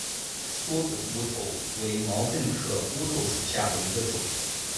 缩梗乌头为毛茛科乌头属下的一个种。